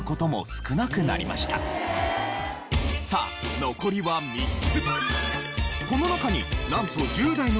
さあ残りは３つ。